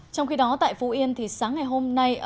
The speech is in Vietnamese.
trong khi đó tại phú yên thì sáng ngày hôm nay